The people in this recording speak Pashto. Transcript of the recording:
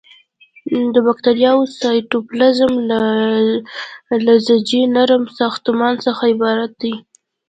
د باکتریاوو سایتوپلازم له لزجي نرم ساختمان څخه عبارت دی.